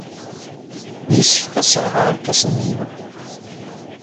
Yessefk ad sserrḥeɣ irkasen-inu.